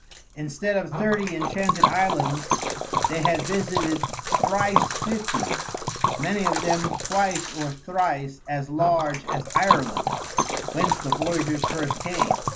Instead of thirty enchanted islands they had visited thrice fifty, many of them twice or thrice as large as Ireland, whence the voyagers first came.